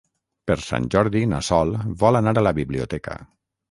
Per Sant Jordi na Sol vol anar a la biblioteca.